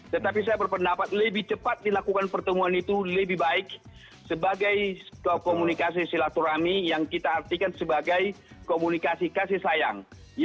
tetapi saya berpendapat lebih cepat dilakukan pertemuan itu lebih baik sebagai komunikasi silaturahmi yang kita artikan sebagai komunikasi kasih sayang